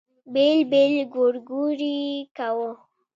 بېل بېل ګورګورې کوو.